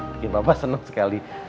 bikin bapak seneng sekali